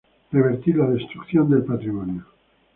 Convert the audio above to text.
revertir la destrucción del patrimonio